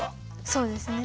そうですね。